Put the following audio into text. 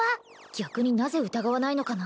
逆になぜ疑わないのかな